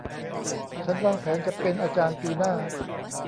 ฉันวางแผนจะเป็นอาจารย์ปีหน้า